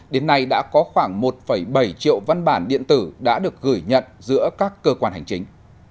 đến nay đã có khoảng một bảy triệu văn bản điện tử đã được gửi nhận giữa các cơ quan hành chính